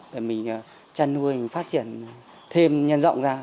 để mình trăn nuôi phát triển thêm nhân rộng ra